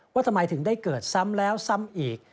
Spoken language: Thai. ว่าทำไมถึงได้เกิดซ้ำแล้วซ้ำอีก